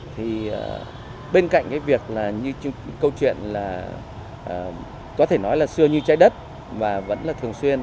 thì bên cạnh cái việc là như câu chuyện là có thể nói là xưa như trái đất mà vẫn là thường xuyên